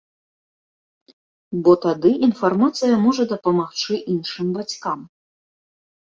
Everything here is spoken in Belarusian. Бо тады інфармацыя можа дапамагчы іншым бацькам.